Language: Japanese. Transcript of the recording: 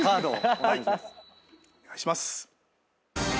お願いします。